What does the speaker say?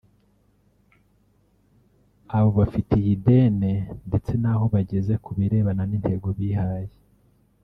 abo bafitiye ideni ndetse n’aho bageze ku birebana n’intego bihaye